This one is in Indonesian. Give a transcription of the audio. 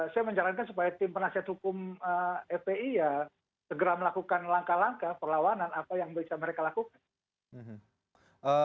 saya menyarankan supaya tim penasihat hukum fpi ya segera melakukan langkah langkah perlawanan apa yang bisa mereka lakukan